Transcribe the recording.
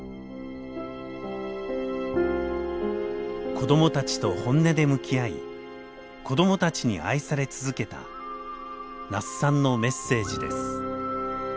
子どもたちと本音で向き合い子どもたちに愛され続けた那須さんのメッセージです。